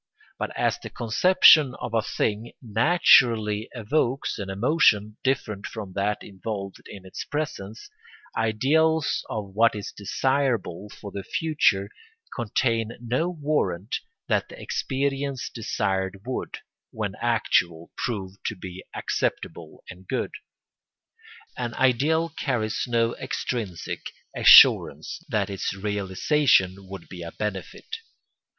But as the conception of a thing naturally evokes an emotion different from that involved in its presence, ideals of what is desirable for the future contain no warrant that the experience desired would, when actual, prove to be acceptable and good. An ideal carries no extrinsic assurance that its realisation would be a benefit.